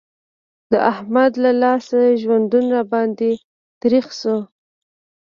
د احمد له لاسه ژوندون را باندې تريخ شو.